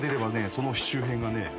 その周辺がね。